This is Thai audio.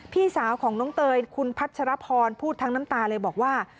พี่สาวของน้องเตยคุณพัชรพรพูดทั้งน้ำตาเลยบอกว่า